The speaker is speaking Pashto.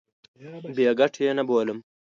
بې ګټې نه بولم.